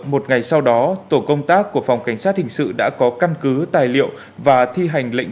một ngày sau đó tổ công tác của phòng cảnh sát hình sự đã có căn cứ tài liệu và thi hành lệnh